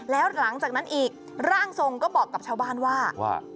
แล้วหลังจากนั้นอีกร่างทรงก็บอกกับชาวบ้านว่าว่า